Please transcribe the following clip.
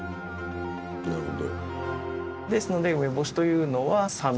なるほど。